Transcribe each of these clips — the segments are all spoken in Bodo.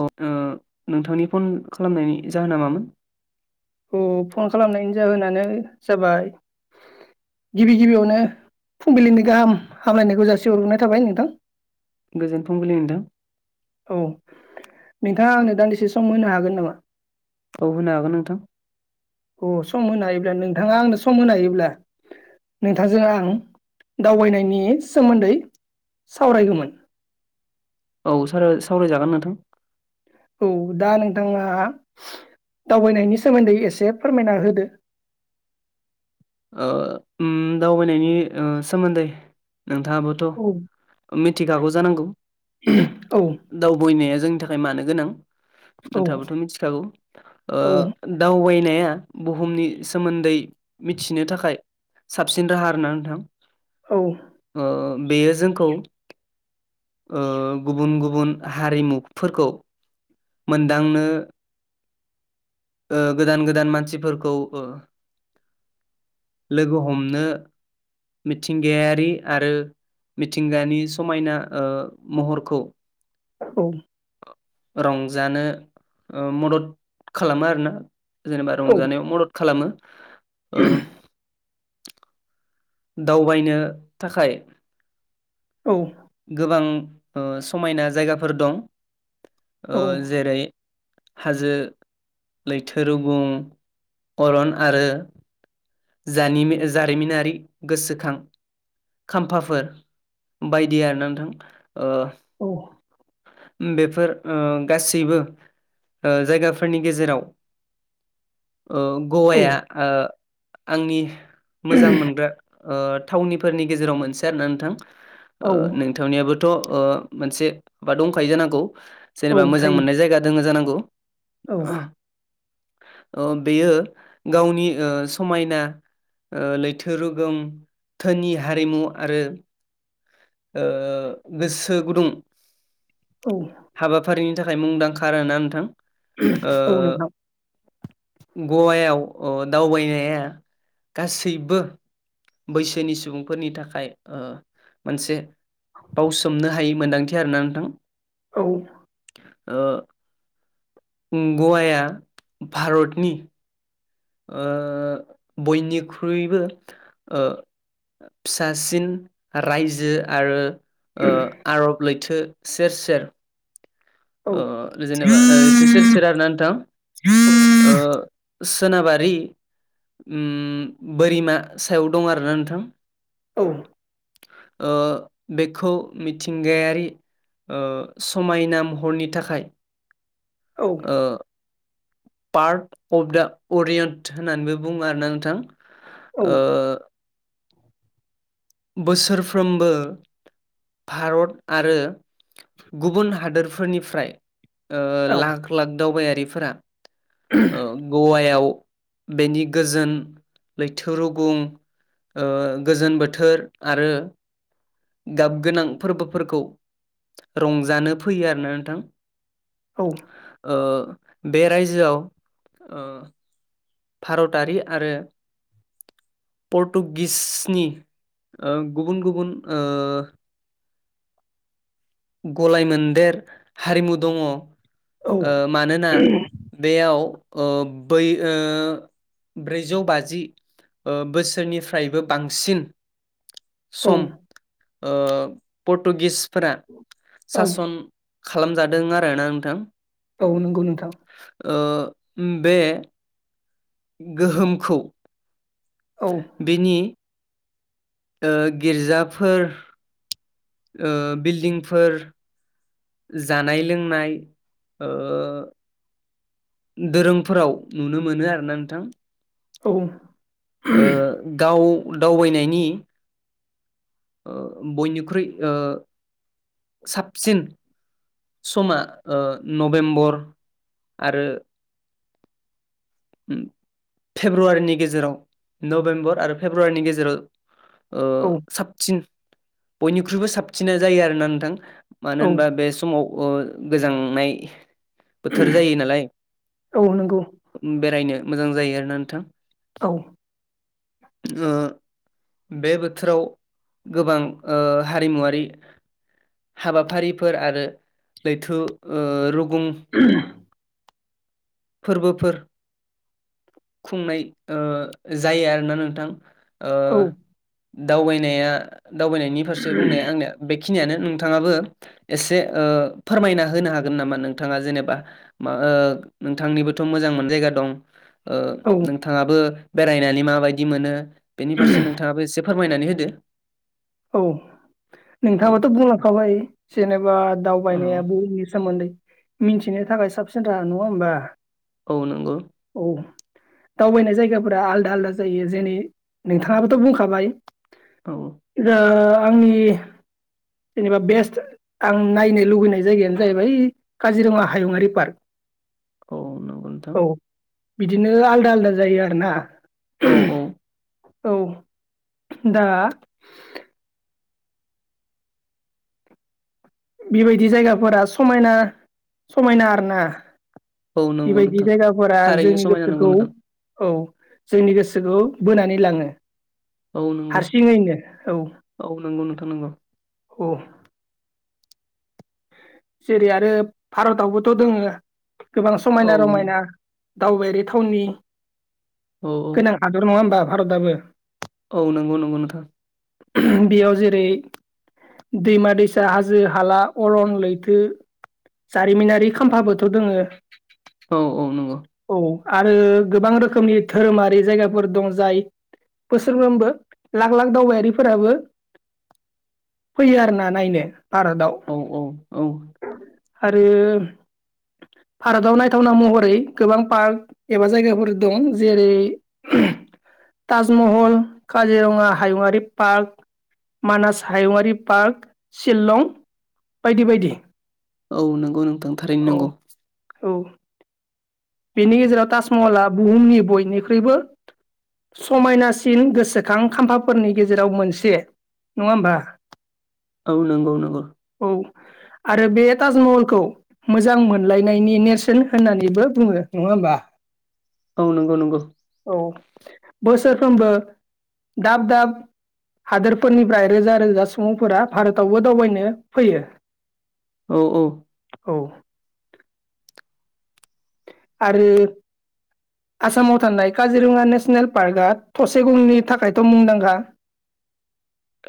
औ ओ नोंथांनि फन खालामनायनि जाहोना मामोन? औ फन खालामनायनि जाहोनानो जाबाय गिबि गिबियावनो फुंबिलिनि गाहाम हामलायनायखौ जासि हरग्रोनाय थाबाय नोंथां। गोजोन फुंबिलि नोंथां। औ नोंथाङा आंनो दान्दिसे सम होनो हागोन नामा? औ होनो हागोन नोंथां। अ सम होनो हायोब्ला नोंथाङा आंनो सम होनो हायोब्ला नोंथांजों आं दावबायनायनि सोमोन्दै सावरायगौमोन। औ साव-सावरायजागोन नोंथां। औ दा नोंथाङा दावबायनायनि सोमोन्दै एसे फोरमायना होदो। ओ ओम दावबायनायनि सोमोन्दै नोंथाङाबोथ' औ मिथिखागौ जानांगौ औ दावबायनाया जोंनि था खाय मानो गोनां औ नोंथाबोथ' मिथिखागौ दावबाय नाया बुहुमनि सोमोन्दै मिथिनो थाखाय साबसिन राहा आरोना नोंथां। औ ओ बेयो जोंखौ ओ गुबुन गुबुन हारिमुफोरखौ मोनदांनो ओ गोदान गोदान मानसिफोरखौ ओ लोगो हमनो मिथिंगायारि आरो मिथिंगानि समायना ओ महरखौ औ रंजानो मदद खालामो आरोना जेनेबा औ रंजानायाव मदद खालामो। ओ दावबायनो थाखाय औ गोबां ओ समायना जायगाफोर दं ओ जेरै हाजो लैथो रुगुं अरन आरो जानिम जारिमिनारि गोसोखां खाम्फाफोर बायदि आरोना नोंथां ओ औ बेफोर ओ गासैबो जायगाफोरनि गेजेराव ओ गवाया ओ आंनि मोजां मोनग्रा ओ थावनिफोरनि गेजेराव मोनसे आरो ना नोंथां औ ओ नोंथांनियाबो थ' मोनसे बा दंखायो जानांगौ औ जेनेबा मोजां थायो मोननाय जायगा दङो जानांगौ। औ आ। ओ बेयो गावनि ओ समायना ओ लैथो रुगोम धोनि हारिमु आरो। ओ गोसो गुदुं औ हाबाफारिनि थाखाय मुंदांखा आरोना नोंथां। ओ औ नोंथां गवायाव अन दावबायनाया गासैबो बैसोनि सुबुंफोरनि थाखाय ओ। मोनसे बावसोमनो हायि मोन्दांथि आरोना नोंथां। औ। ओ ओम गवाया भारतनि ओ बयनिख्रुइबो ओ। फिसासिन रायजो आरो। ओ आरब लैथो सेर सेर ओ जेनेबा लैथो सेर सेर आरोना नोंथां सोनाबारि ओम बोरिमा सायाव दं आरोना नोंथां। औ। ओ बेखौ मिथिंगायारि समायना ओ मह हरनि थाखाय ओ। पार्ट अफ दा अरियन्ट होननानैबो बुङो आरोना नोंथां। ओ। [inaudible] बोसोरफ्रोमबो भारत आरो गुबुन हादोर फोरनिफ्राय ओ लाख लाख दावबायारिफोरा ओ गवायाव बेनि गोजोन लैथो रुगुं ओ गोजोन बोथोर आरो। गाब गोनां फोरबोफोरखौ रंजानो फैयो आरोना नोंथां। औ। ओ बे रायजोआव ओ। भारतारि आरो। पर्टुगिसनि ओ गुबुन गुबुन ओ। गलाय मोनदेर हारिमु दङ ओ मानोना बेयाव अ बै ओ। ब्रैजौ बाजि ओ बोसोरनिफ्रायबो बांसिन सम ओ पर्टुगिसफोरा सासन खालामजादों आरोना नोंथां। औ नंगौ नोंथां। ओम बे गोहोमखौ औ बेनि ओ गिर्जाफोर ओ बिल्डिंफोर जानाय लोंनाय ओ। दोरोंफोराव नुनो मोनो आरो ना नोंथां। औ ओ गाव दावबायनायनि ओ बयनिख्रुइ ओ साबसिन समा ओ नभेम्बर आरो। उम। फेब्रुवारिनि गेजेराव नभेम्बर आरो फेब्रुवारिनि गेजेराव ओ औ साबसिन बयनिख्रुइबो साबसिना जायो आरोना नोंथां। मानो औ होनबा बे समाव अ गोजांनाय बोथोर जायो नालाय औ नंगौ बेरायनो मोजां जायो आरोना नोंथां। औ ओ बे बोथोराव गोबां ओ हारिमुवारि हाबाफारिफोर आरो लैथु ओ रु [inaudible] फोरबोफोर खुंनाय ओ जायो आरोना नोंथां। ओ औ दावबायनाया दावबायनायनि फारसे बुंनाया आंनिया बे खिनियानो नोंथाङाबो एसे ओ फोरमायना होनो हागोन नामा नोंथाङा जेनेबा मा ओ नोंथांनिबोथ' मोजां मोन जायगा दं ओ औ नोंथाङाबो बेरायनानै माबायदि मोनो बेनि फारसे नोंथाङाबो एसे फोरमायनानै होदो औ औ नोंथाङाथ' बुंलांखाबाय जेनेबा औ दावबायनाया बुहुमनि सोमोन्दै मिनथिनो थाखाय साबसिन राहा नङा होमबा? औ नंगौ। औ दावबायनाय जायगाफोरा आलदा आलदा जायो जेनै नोंथाङाबोथ' बुंखाबाय औ रा आंनि जेनेबा बेस्ट आं नायनो लुबैनाय जायगायानो जाहैबाय काजिरङा हायुङारि पार्क औ नंगौ नोंथां। औ बिदिनो आलदा आलदा जायो आरो ना औ औ औ दा बेबायदि जायगाफोरा समायना समायना आरो ना औ नंगौ बेबायदि नोंथां जायगाफोरा थारैनो जोंनि समायना नंगौ गोसोखौ नोंथां औ जोंनि गोसोखौ बोनानै लाङो। औ नंगौ हारसिङैनो औ औ नंगौ नोंथां नंगौ औ जेरै आरो भारतआवबोथ' दङो गोबां औ समायना रमायना दावबायारि थावनि औ औ गोनां हादर नङा होमबा भारतआबो? औ नंगौ नंगौ नोंथां बेयाव जेरै दैमा दैसा हाजो हाला अरन लै थो जारिमिनारि खाम्फाबोथ' दोङो। औ औ नंगौ औ आरो गोबां रोखोमनि धोरोमारि जायगाफोर दं जाय बोसोरफ्रोमबो लाख लाख दावबायारिफोराबो फैयो आरोना नायनो भारतआव। औ औ औ आरो भारताव नायथावना महरै गोबां पार्क एबा जायगाफोर दं जेरै ताजमहल, काजिरङा हायुङारि पार्क मानास हायुंङारि पार्क सिललं बायदि बायदि। औ नंगौ नोंथां थारैनो औ नंगौ। औ बेनि गेजेराव ताजमहला बुहुमनि बयनिख्रुइबो समायनासिन गोसोखां खाम्फाफोरनि गेजेराव मोनसे। नङा होमबा? औ नंगौ नंगौ। औ आरो बे ताजमहलखौ मोजां मोनलायनायनि नेरसोन होननानैबो बुङो नङा होमबा? औ नंगौ नंगौ। औ बोसोरफ्रोमबो दाब दाब हादोरफोरनिफ्राय रोजा रोजा सुबुंफोरा भारतावबो दावबायनो फैयो। औ औ। औ। आरो आसामाव थानाय काजिरङा नेसनेल पार्कआ थसे गंनि थाखायथ' मुंदांखा।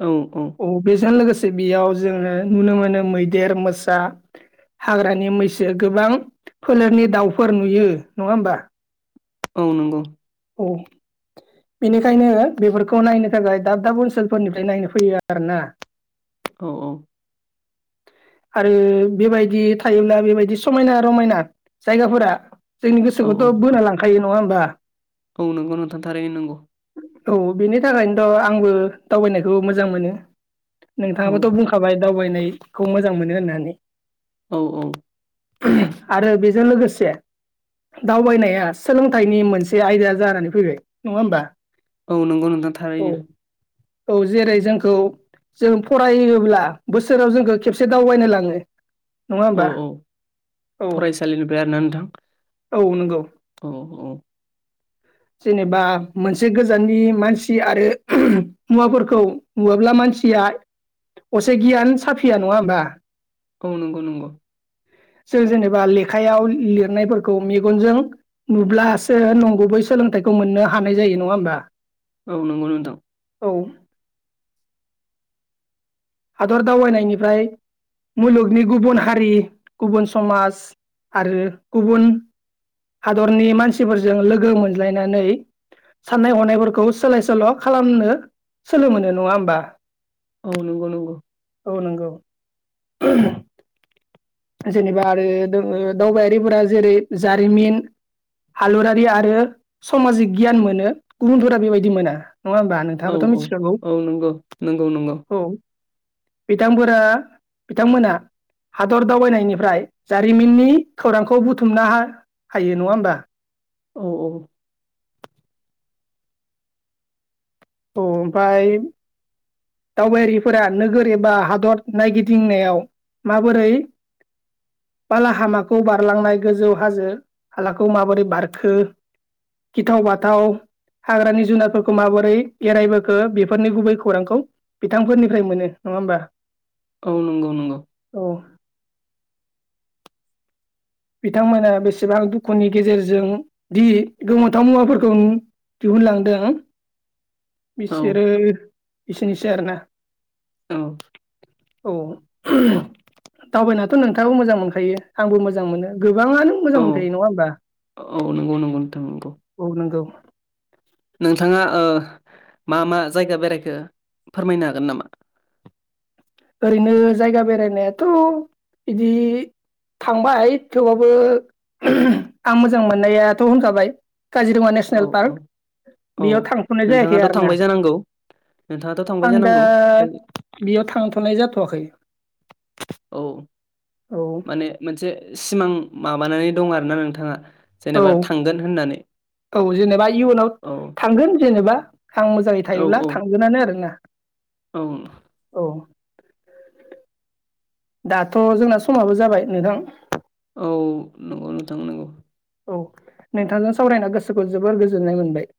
औ औ अ बेजों लोगोसे बेयाव जोङो नुनो मोनो मैदेर मोसा हाग्रानि मैसो गोबां फोलेरनि दाउफोर नुयो नङा होमबा? औ नंगौ। औ। बेनिखायनो बेफोरखौ नायनो थाखाय दाब दाब ओनसोलफोरनिफ्राय नायनो फैयो आरो ना। औ औ। आरो बेबायदि थायोब्ला बेबायदि समायना रमायना जायगाफोरा जोंनि औ औ गोसोखौथ' बोना लांखायो नङा होमबा? औ नंगौ नोंथां थारैनो नंगौ। औ बेनि थाखायनोथ' आंबो दावबायनायखौ मोजां मोनो। औ नोंथाङाबोथ' बुंखाबाय दावबायनायखौ मोजां मोनो होननानै। औ औ। आरो बेजों लोगोसे दावबायनाया सोलोंथाइनि मोनसे आयदा जानानै फैबाय नङा होमबा? औ नंगौ नोंथां औ थारैनो। औ जेरै जोंखौ जों फरायोब्ला बोसोराव जोंखौ खेबसे दावबायनो लाङो। नङा औ होमबा औ औ फरायसालिनिफ्राय आरोना नोंथां? औ नंगौ। औ औ। जेनेबा मोनसे गोजाननि मानसि आरो मुवाफोरखौ नुवाब्ला मान मानसिया असे गियान साफिया नङा होमबा? औ नंगौ नंगौ। जों जेनेबा लेखायाव लिरनायफोरखौ मेगनजों नुब्लासो नंगौ बैसोर सोलोंथाइखौ मोननो हानाय जायो नङा होमबा? औ नंगौ नोंथां। औ। हादर दावबायनायनिफ्राय मुलुगनि गुबुन हारि गुबुन समाज आरो गुबुन हादरनि मानसिफोरजों लोगो मोनज्लायनानै साननाय हनायफोरखौ सोलाय सोल' खालामनो सोलो मोनो नङा होमबा? औ नंगौ नंगौ। औ नंगौ। जेनेबा आरो दङ दावबायारिफोरा जेरै जारिमिन हालुरारि आरो समाजिक गियान मोनो गुबुनफोरा बेबायदि मोना। नङा होमबा औ नोंथाबोथ' औ मिथिखागौ औ नंगौ नंगौ नंगौ औ बिथांफोरा बिथांमोना हादर दावबायनायनिफ्राय जारिमिननि खौरांखौ बुथुमना हायो नङा होमबा? औ औ। औ ओमफाय दावबायारिफोरा नोगोर एबा हादर नायगिदिंनायाव माबोरै बालाहामाखौ बारलांनाय गोजौ हाजो हालाखौ माबोरै बारखो गिथाव बाथाव हाग्रानि जुनारफोरखौ माबोरै एरायबोखो बेफोरनि गुबै खौरांखौ बिथांफोरनिफ्राय मोनो नङा होमबा औ नंगौ नंगौ औ बिथांमोना बेसेबां दुखुनि गेजेरजों दि गोमोथाव मुवाफोरखौ दिहुनलांदों औ बिसोरो एसेनोसै आरो ना औ औ दावबायनाथ' नोंथाङाबो मोजां मोनखायो आंबो मोजां मोनो गोबाङानो मोजां औ मोनखायो नङा होमबा औ नंगौ नंगौ नोंथां नंगौ औ नंगौ नोंथाङा ओ मा मा जायगा बेरायखो फोरमायनो हागोन नामा ओरैनो जायगा बेरायनायाथ' बिदि थांबाय थेवबाबबो आं मोजां मोननायाथ' होनखाबाय काजिरङा औ नेसनेल औ पार्क औ बेयाव थांथ'नाय जायाखै नोंथाङाथ' आरो ना थांबाय जानांगौ नोंथाङाथ' थांबाय आं दा जानांगौ बेयाव थांथ'नाय जाथ'वाखै औ औ माने मोनसे सिमां माबानानै दं आरो ना नोंथाङा औ जेनेबा थांगोन होननानै औ जेनेबा इउ एनाव औ थांगोन जेनेबा आं मोजाङै औ थायोब्ला औ थांगोनानो आरोना औ [inaudible] दाथ' जोंना समाबो जाबाय नोंथां औ नंगौ नोंथां नंगौ औ नोंथांजों सावरायना गोसोखौ जोबोर गोजोननाय मोनबाय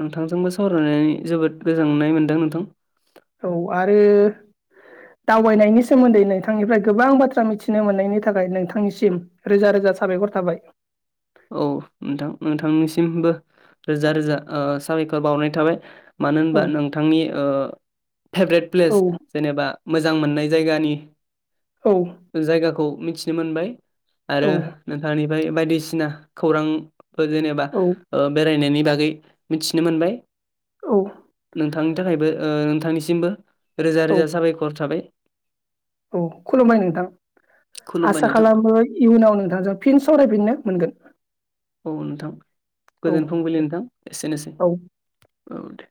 नोंथांजोंबो सावरायनानै जोबोद गोजोननाय मोनदों नोंथां औ आरो दावबायनायनि सोमोन्दै नोंथांनिफ्राय गोबां बाथ्रा मिथिनो मोननायनि थाखाय नोंथांनिसिम रोजा रोजा साबायखर थाबाय औ नोंथां नोंथांनिसिमबो रोजा रोजा ओ साबायखर बावनाय थाबाय मानो औ होनबा नोंथांनि ओ फेभ्रेट औ प्लेस जेनेबा मोजां मोननाय जायगानि औ जायगाखौ मिथिनो मोनबाय आरो औ नोंथांनिफ्राय बायदिसिना खौरां जेनेबाफोर औ जेनेबा बेरायनायनि बागै मिथिनो मोनबाय औ नोंथांनि थाखायबो ओ नोंथांनिसिमबो रोजा औ रोजा साबायखर थाबाय औ खुलुमबाय नोंथां खुलुमबाय आसा नोंथां खालामो इयुनाव नोंथांजों फिन सावरायफिननो मोनगोन औ नोंथां औ गोजोन फुंबिलि नोंथां एसेनोसै औ औ दे